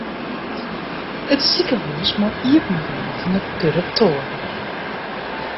It sikehús mei iepen bliuwe fan de kuratoaren.